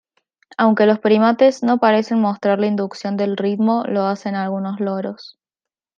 Aunque los primates no parecen mostrar la inducción del ritmo, lo hacen algunos loros.